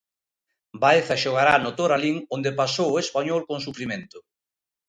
Baeza xogará no Toralín onde pasou o Español con sufrimento.